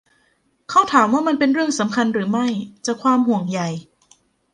เขาถามว่ามันเป็นเรื่องสำคัญหรือไม่จากความห่วงใย.